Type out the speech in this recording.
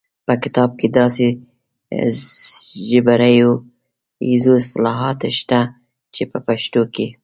په کتاب کې داسې ژبپوهنیز اصطلاحات شته چې په پښتو کې